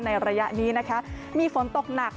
ระยะนี้นะคะมีฝนตกหนัก